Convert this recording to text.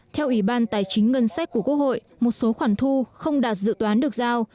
theo ủy ban tài chính ngân sách của quốc hội một số khoản thu không đạt dự toán được giao